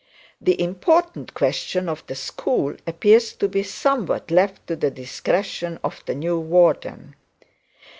The important question of the school appears to be somewhat left to the discretion of the new warden.